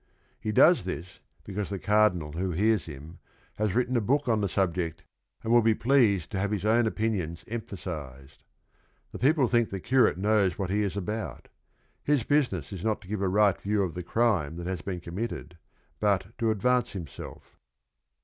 He does this because the Cardinal, who hears him, has written a book on the subject and will be pleased to have his own opinions emphasized. The people think the curate knows what he is about. His business is not to give a right view of the crime that has been committed, but to advance himself.